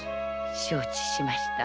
承知しました。